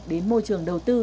đến môi trường đầu tư